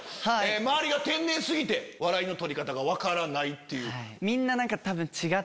周りが天然過ぎて笑いの取り方が分からない。